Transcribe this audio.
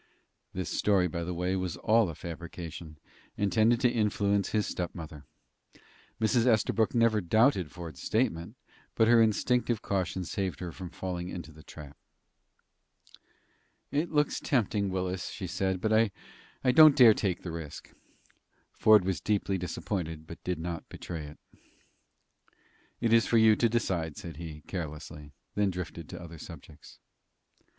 This story, by the way, was all a fabrication, intended to influence his stepmother. Mrs. Estabrook never doubted Ford's statement, but her instinctive caution saved her from falling into the trap. "It looks tempting, Willis," she said, "but I don't dare to take the risk." Ford was deeply disappointed, but did not betray it. "It is for you to decide," said he, carelessly, then drifted to other subjects.